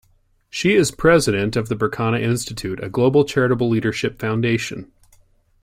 She is president of the Berkana Institute, a global charitable leadership foundation.